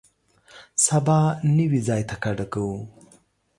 سبا نوي ځای ته کډه کوو.